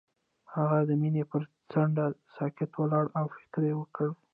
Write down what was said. هغه د مینه پر څنډه ساکت ولاړ او فکر وکړ.